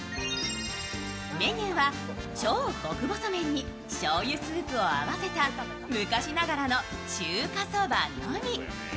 メニューは超極細麺に、しょうゆスープを合わせた昔ながらの中華そばのみ。